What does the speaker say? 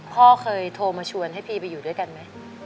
พ่อเคยโทรมาชวนให้พี่ไปอยู่ด้วยกันไหม